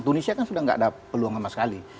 tunisia kan sudah tidak ada peluang sama sekali